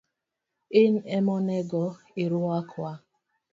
In emonego irwak wa.